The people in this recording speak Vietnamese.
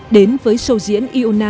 đến với sâu diễn iona